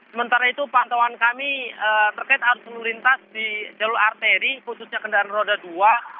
sementara itu pantauan kami terkait arus lalu lintas di jalur arteri khususnya kendaraan roda dua